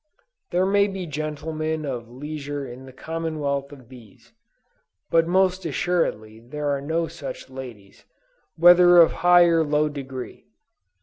There may be gentlemen of leisure in the commonwealth of bees, but most assuredly there are no such ladies, whether of high or low degree.